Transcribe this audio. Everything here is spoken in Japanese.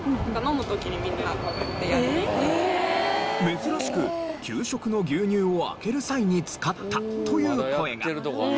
珍しく給食の牛乳を開ける際に使ったという声が。